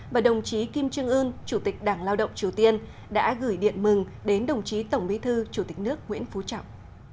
và đồng chí kim trương ưn chủ tịch đảng lao động triều tiên đã gửi điện mừng đến đồng chí tổng bí thư chủ tịch nước nguyễn phú trọng